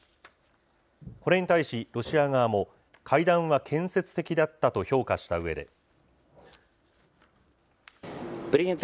これに対し、ロシア側も、会談は建設的だったと評価したうえで。